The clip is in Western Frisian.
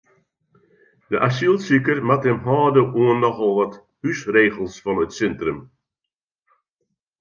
De asylsiker moat him hâlde oan nochal wat húsregels fan it sintrum.